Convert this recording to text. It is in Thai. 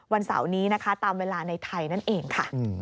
วันเสาร์นี้ตามเวลาในไทยนั่นเองค่ะ